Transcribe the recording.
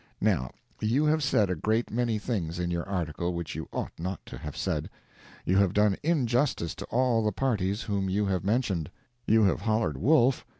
Now, you have said a great many things in your article which you ought not to have said; you have done injustice to all the parties whom you have mentioned; you have hollered "wolf!"